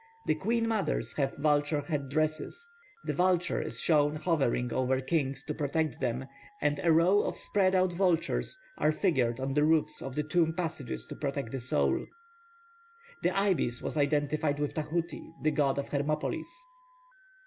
The queen mothers have vulture head dresses; the vulture is shown hovering over kings to protect them, and a row of spread out vultures are figured on the roofs of the tomb passages to protect the soul. The ibis was identified with Tahuti, the god of Hermopolis.